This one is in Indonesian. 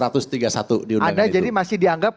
tiga puluh satu diundangan itu anda jadi masih dianggap